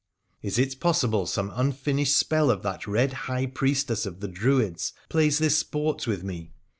' Is it possible some unfinished spell of that red high priestess of the Druids plays this sport with me?